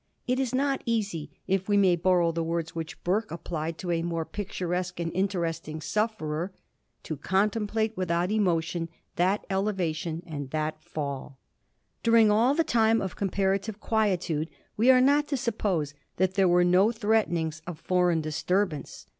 It is not easy, if we may borrow the words which Burke applied to a more picturesque and interestiug sufierer, ' to contemplate without emotion that elevation and that fall.' During all this time of comparative quietude, we are not to suppose that there were no threatenings of foreign disturbance.